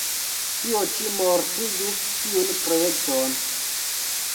Tio ĉi mortigis tiun projekton.